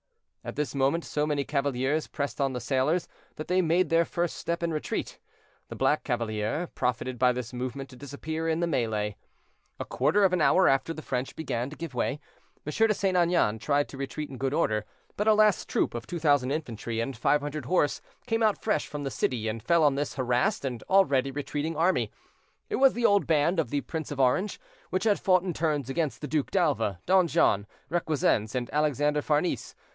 At this moment so many cavaliers pressed on the sailors, that they made their first step in retreat. The black cavalier profited by this movement to disappear in the melée. A quarter of an hour after the French began to give way. M. de St. Aignan tried to retreat in good order, but a last troop of 2,000 infantry and 500 horse came out fresh from the city, and fell on this harassed and already retreating army. It was the old band of the Prince of Orange, which had fought in turns against the Duc d'Alva, Don John, Requesens, and Alexander Farnese.